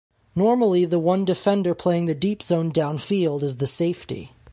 Normally the one defender playing the deep zone downfield is the Safety.